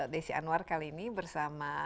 desi anwar kali ini bersama